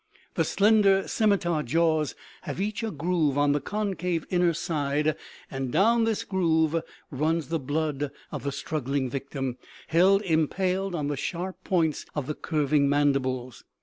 The slender scimitar jaws have each a groove on the concave inner side, and down this groove runs the blood of the struggling victim, held impaled on the sharp points of the curving mandibles.